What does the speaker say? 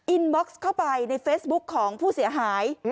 บ็อกซ์เข้าไปในเฟซบุ๊คของผู้เสียหาย